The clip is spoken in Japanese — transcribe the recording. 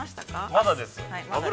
◆まだです。